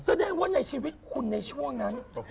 แสดงว่าในชีวิตคุณในช่วงนั้น